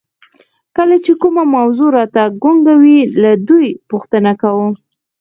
کله چې کومه موضوع راته ګونګه وي له دوی پوښتنه کوم.